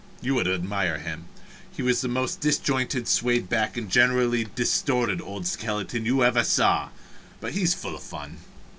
You would admire him. He is the most disjointed, sway backed, and generally distorted old skeleton you ever saw, but he is full of fun.